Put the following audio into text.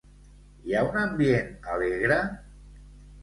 Hi ha un ambient alegre?